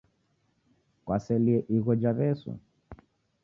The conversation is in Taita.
Kwaselie igho ja wesu?